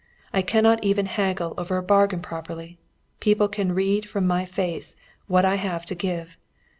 I cannot even haggle over a bargain properly, people can read from my face what I have to give.